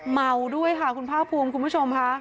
เมาด้วยค่ะคุณภาคภูมิคุณผู้ชมค่ะ